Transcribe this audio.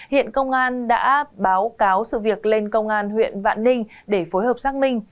hiện công an đã báo cáo sự việc lên công an huyện vạn ninh để phối hợp xác minh